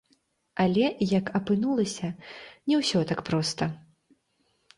Але, як апынулася, не ўсё так проста.